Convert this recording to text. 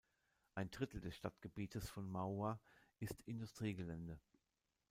Ein Drittel des Stadtgebietes von Mauá ist Industriegelände.